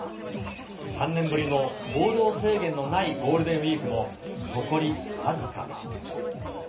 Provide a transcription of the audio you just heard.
３年ぶりの行動制限のないゴールデンウィークも、残り僅か。